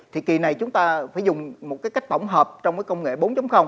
thì kỳ này chúng ta phải dùng một cái cách tổng hợp trong cái công nghệ bốn